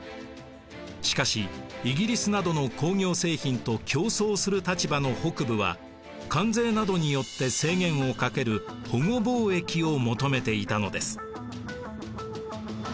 しかしイギリスなどの工業製品と競争する立場の北部は関税などによって制限をかける保護貿易を求めていたのです。